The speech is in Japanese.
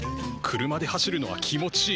車で走るのは気持ちいい。